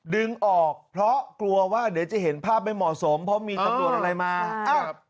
ดึงออกเพราะกลัวว่าเดี๋ยวจะเห็นภาพไม่เหมาะสมเพราะมีตำรวจอะไรมาอ้าว